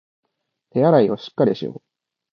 手洗いをしっかりしよう